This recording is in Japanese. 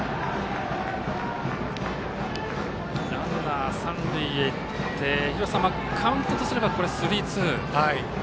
ランナー、三塁へ行って廣瀬さん、カウントとすればスリーツー。